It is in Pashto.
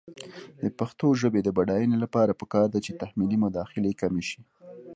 د پښتو ژبې د بډاینې لپاره پکار ده چې تحمیلي مداخلې کمې شي.